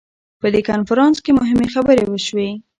په دې کنفرانس کې مهمې خبرې وشوې.